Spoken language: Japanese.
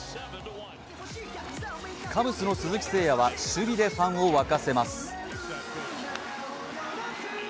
カブスの鈴木誠也は守備でファンを沸かせます。